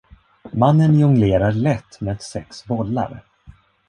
Mannen jonglerar lätt med sex bollar.